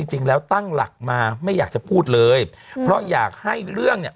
จริงแล้วตั้งหลักมาไม่อยากจะพูดเลยเพราะอยากให้เรื่องเนี่ย